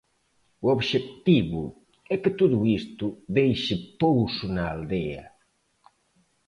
O obxectivo é que todo isto deixe pouso na aldea.